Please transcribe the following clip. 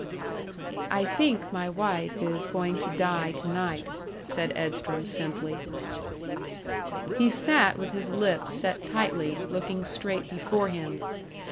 "I think my wife is going to die to night," said Edstrom, simply. He sat with his lips set tightly, looking straight before him.